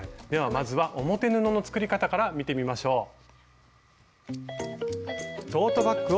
ではまずは表布の作り方から見てみましょう。